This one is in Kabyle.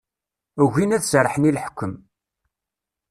Ugin ad serrḥen i leḥkem.